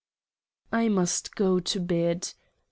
I must go to bed.